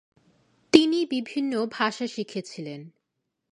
তিনি বিভিন্ন ভাষা শিখেছিলেন।